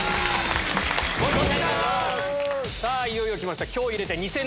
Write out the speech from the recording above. さぁいよいよ来ました。